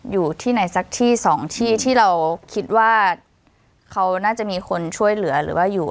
อยู่ที่ไหนสักที่สองที่ที่เราคิดว่าเขาน่าจะมีคนช่วยเหลือหรือว่าอยู่